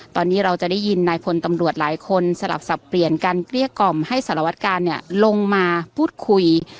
ตอนนี้เราจะได้ยินนายพลตำรวจหลายคนสลับสับเปลี่ยนการเกลี้ยกล่อมให้สารวัตกาลเนี่ยลงมาพูดคุย